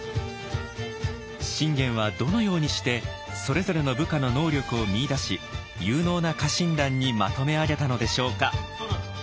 信玄はどのようにしてそれぞれの部下の能力を見いだし有能な家臣団にまとめ上げたのでしょうか。